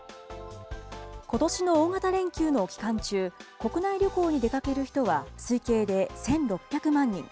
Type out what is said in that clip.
ことしの大型連休の期間中、国内旅行に出かける人は推計で１６００万人。